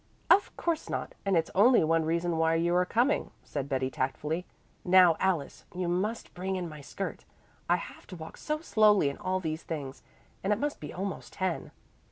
"Of course not, and it's only one reason why you are coming," said Betty tactfully. "Now Alice, you must bring in my skirt. I have to walk so slowly in all these things, and it must be almost ten."